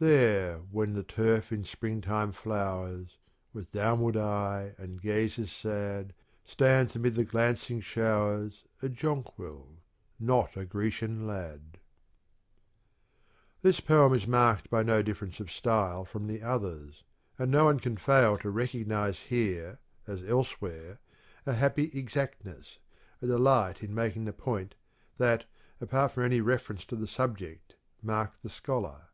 There when the turf in spring time flowers, With downward eye and gazes sad Stands amid the glancing showers A jonquil, not a Grecian lad. THE NEW POETRY, ETC. 223 This poem is marked by no difference of style from the others; and no one can fail to recognize here as elsewhere a happy exactness, a delight in making the point that, apart from any reference to the subject, mark the scholar.